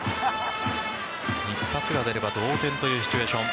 一発が出れば同点というシチュエーション。